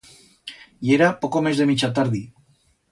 Yera poco més de micha tardi.